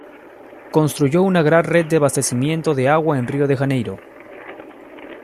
Construyó una gran red de abastecimiento de agua en Río de Janeiro.